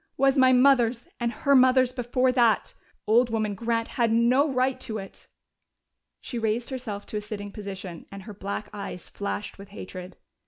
Was my mother's, and her mother's before that. Old woman Grant had no right to it." She raised herself to a sitting position, and her black eyes flashed with hatred.